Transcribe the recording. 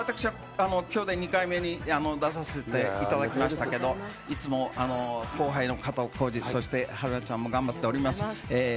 私、今日で２回目、出させてもらいましたけれど、いつも後輩の加藤浩次、そして春菜ちゃんも頑張っとります。